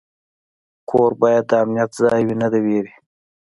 کور باید د امنیت ځای وي، نه د ویرې.